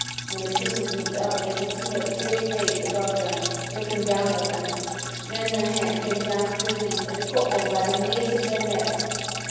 When the kittens looked up they could see her big face above them looking down at them. Then her hands came down through the weeds, and caught them by the napes of their necks.